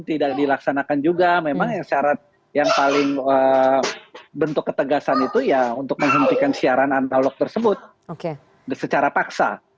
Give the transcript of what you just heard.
tidak dilaksanakan juga memang yang syarat yang paling bentuk ketegasan itu ya untuk menghentikan siaran analog tersebut secara paksa